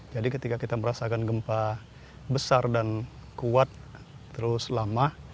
ketika kita merasakan gempa besar dan kuat terus lama